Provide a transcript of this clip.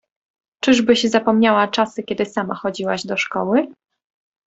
Czyżbyś zapomniała czasy kiedy sama chodziłaś do szkoły?